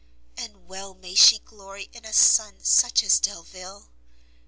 And well may she glory in a son such as Delvile!